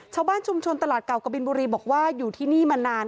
ชาวบ้านชุมชนตลาดเก่ากะบินบุรีบอกว่าอยู่ที่นี่มานาน